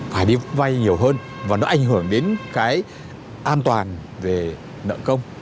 phải đi vay nhiều hơn và nó ảnh hưởng đến cái an toàn về nợ công